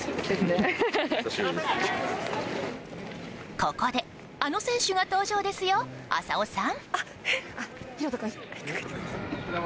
ここであの選手が登場ですよ浅尾さん！